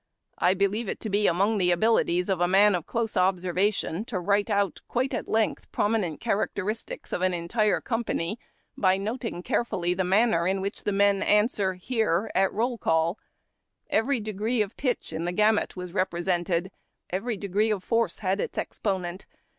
I believe it to be among the abilities of a man of close observation to write out quite at length prominent characteristics of an entire company, by noting carefully the manner in which the men answer " Here ! "''at roll call. Every degree of pitch in the gamut was represented. Every degree of force had its exponent.